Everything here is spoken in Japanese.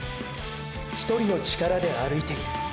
１人の“力”で歩いている。